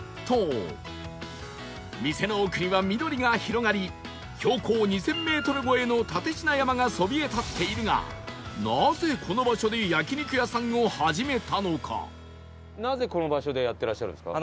店の奥には緑が広がり標高２０００メートル超えの蓼科山がそびえ立っているがなぜこの場所でやってらっしゃるんですか？